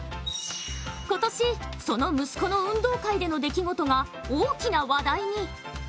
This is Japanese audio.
今年、その息子の運動会での出来事が大きな話題に。